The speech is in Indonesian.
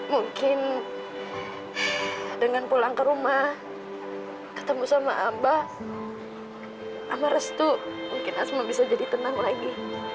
mungkin dengan pulang ke rumah ketemu sama abah sama restu mungkin a semua bisa jadi tenang lagi